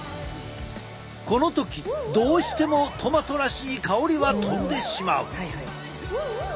この時どうしてもトマトらしい香りは飛んでしまう。